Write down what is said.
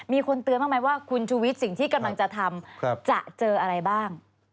มีคนเตือนบ้างไหมว่าคุณชูวิทย์สิ่งที่กำลังจะทำจะเจออะไรบ้าง